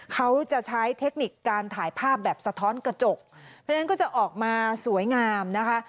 เขาจะใช้เทคนิคการถ่ายภาพแบบสะท้อนกระจกเพราะฉะนั้นก็จะออกมาสวยงามนะคะ